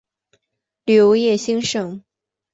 旅游业兴盛。